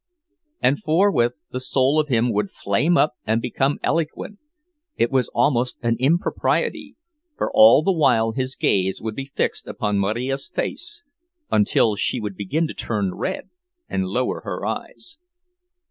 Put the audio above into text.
And forthwith the soul of him would flame up and become eloquent—it was almost an impropriety, for all the while his gaze would be fixed upon Marija's face, until she would begin to turn red and lower her eyes.